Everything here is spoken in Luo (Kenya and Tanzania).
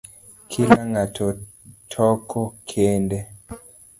Kila ngato toko kende